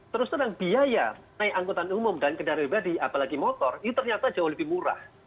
terus terang biaya naik angkutan umum dan kendaraan pribadi apalagi motor ini ternyata jauh lebih murah